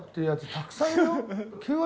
たくさんいるよ。